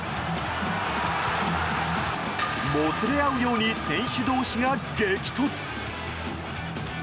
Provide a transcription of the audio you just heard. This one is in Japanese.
もつれ合うように選手同士が激突。